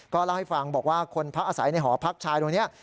เล่าให้ฟังบอกว่าคนพักอาศัยในหอพักชายตรงนี้